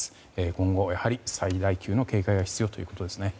今後、やはり最大級の警戒が必要ということですね。